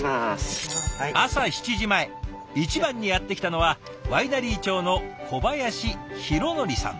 朝７時前一番にやって来たのはワイナリー長の小林弘憲さん。